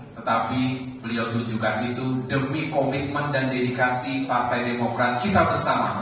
tetapi beliau tunjukkan itu demi komitmen dan dedikasi partai demokrat kita bersama